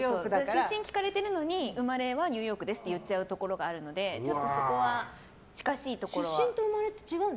出身聞かれてるのに生まれはニューヨークですって言っちゃうところがあるのでちょっとそこは近しいところは。